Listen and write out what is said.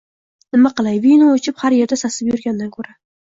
Nima qilay, vino ichib, har yerda sasib yurgandan ko’ra